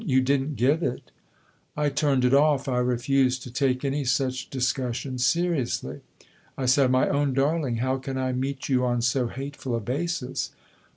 You didn't give it ?'*" I turned it off I refused to take any such discussion seriously. I said :' My own darling^ 52 THE OTHER HOUSE how can I meet you on so hateful a basis